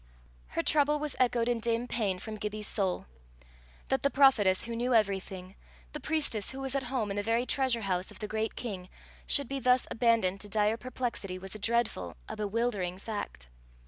Her trouble was echoed in dim pain from Gibbie's soul. That the prophetess who knew everything, the priestess who was at home in the very treasure house of the great king, should be thus abandoned to dire perplexity, was a dreadful, a bewildering fact.